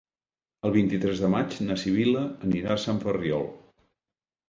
El vint-i-tres de maig na Sibil·la anirà a Sant Ferriol.